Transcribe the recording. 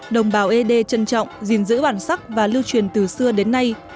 đồng bào ế đê trân trọng gìn giữ bản sắc và lưu truyền từ xưa đến nay